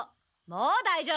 もうだいじょうぶだ！